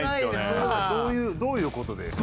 どういうどういうことで？